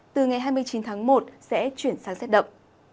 từ ngày hai mươi chín tháng một sẽ chuyển sang rét đậm